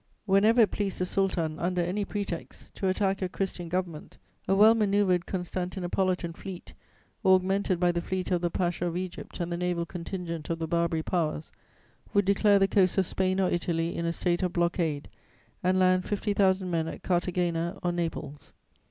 Whenever it pleased the Sultan, under any pretext, to attack a Christian government, a well manœuvred Constantinopolitan fleet, augmented by the fleet of the Pasha of Egypt and the naval contingent of the Barbary Powers, would declare the coasts of Spain or Italy in a state of blockade and land fifty thousand men at Carthagena or Naples.